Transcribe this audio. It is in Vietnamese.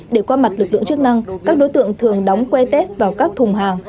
để qua mặt lực lượng chức năng các đối tượng thường đóng que test vào các thùng hàng